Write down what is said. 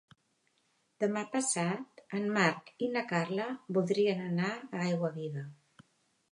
Demà passat en Marc i na Carla voldrien anar a Aiguaviva.